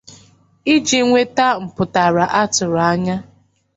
iji nweta mpụtara a tụrụ anya.